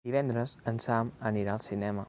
Divendres en Sam anirà al cinema.